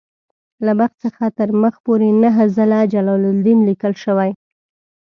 له مخ څخه تر مخ پورې نهه ځله جلالدین لیکل شوی.